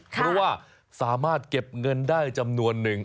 เพราะว่าสามารถเก็บเงินได้จำนวนหนึ่ง